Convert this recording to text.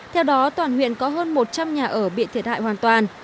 theo đó toàn huyện có hơn một trăm linh nhà ở bị thiệt hại hoàn toàn